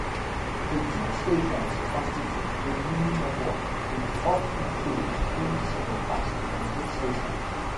The two stations constitute a mini-network with off-peak shows being simulcast on both stations.